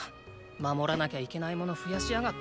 守らなきゃいけないもの増やしやがって！